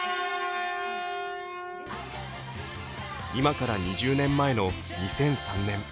今から２０年前の２００３年。